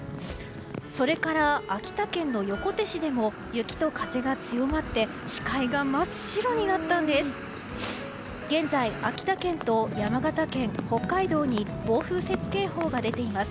それから秋田県の横手市でも雪と風が強まって視界が真っ白になったんです。